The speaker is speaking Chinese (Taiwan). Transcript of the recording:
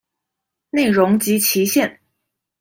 內容及期限